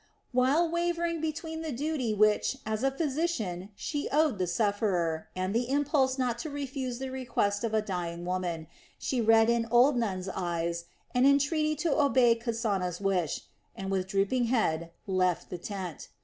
While wavering between the duty which, as a physician, she owed the sufferer and the impulse not to refuse the request of a dying woman, she read in old Nun's eyes an entreaty to obey Kasana's wish, and with drooping head left the tent.